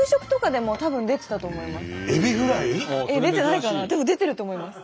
でも出てると思います。